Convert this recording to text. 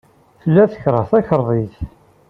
Tella tekṛeh takriḍt.